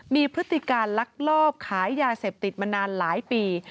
มีพฤติการลักลอบขายยาเสพติดมานานหลายปี